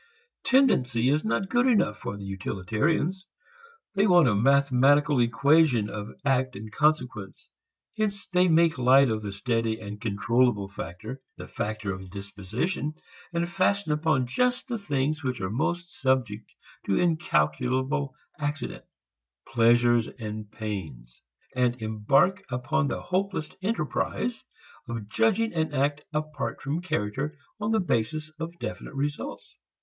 Tendency is not good enough for the utilitarians. They want a mathematical equation of act and consequence. Hence they make light of the steady and controllable factor, the factor of disposition, and fasten upon just the things which are most subject to incalculable accident pleasures and pains and embark upon the hopeless enterprise of judging an act apart from character on the basis of definite results.